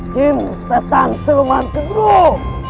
tim setan siluman kedua